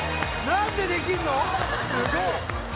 何でできるの？